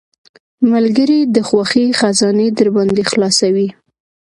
ملګری د خوښۍ خزانې درباندې خلاصوي.